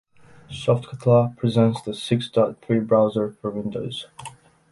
Softcatalà presents the six dot three browser for Windows.